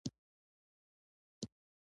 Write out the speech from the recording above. • شیدې د عضلاتو د ترمیم لپاره یو ښه خواړه دي.